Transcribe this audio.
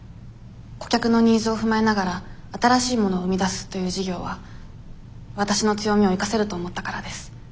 顧客のニーズを踏まえながら新しいものを生み出すという事業はわたしの強みを生かせると思ったからです。